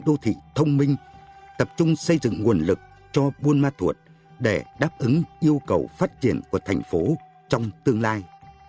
xây dựng đô thị thông minh tập trung xây dựng nguồn lực cho pôn ma thuột để đáp ứng yêu cầu phát triển của thành phố trong tương lai